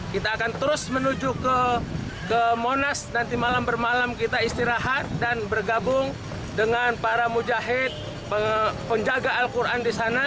kita akan terus menuju ke monas nanti malam bermalam kita istirahat dan bergabung dengan para mujahid penjaga al quran di sana